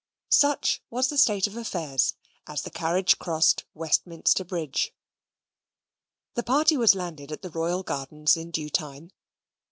Such was the state of affairs as the carriage crossed Westminster bridge. The party was landed at the Royal Gardens in due time.